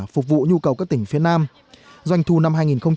phục vụ nhu cầu các tỉnh phía nam doanh thu năm hai nghìn một mươi chín